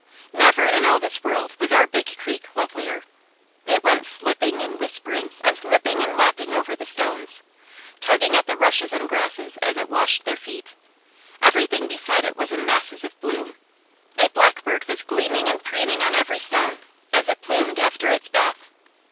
Never in all this world was our Big Creek lovelier. It went slipping, and whispering, and lipping, and lapping over the stones, tugging at the rushes and grasses as it washed their feet; everything beside it was in masses of bloom, a blackbird was gleaming and preening on every stone, as it plumed after its bath.